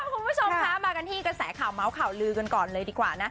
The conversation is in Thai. คุณผู้ชมคะมากันที่กระแสข่าวเมาส์ข่าวลือกันก่อนเลยดีกว่านะ